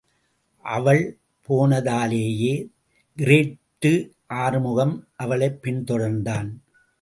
அவள் போனதாலயே, கிரேட் டு ஆறுமுகமும், அவளை பின் தொடர்ந்தான்.